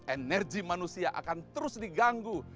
energi manusia akan terus diganggu